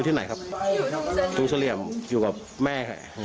ทั้งเซลียมอยู่กับแม่ค่ะ